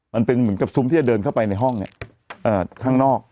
มันเป็นเหมือนกับซุ้มที่จะเดินเข้าไปในห้องเนี่ยข้างนอก